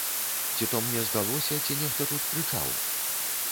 Ці то мне здалося, ці нехта тут крычаў?